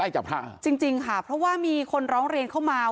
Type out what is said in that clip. จริงค่ะเพราะว่ามีคนร้องเรียนเข้ามา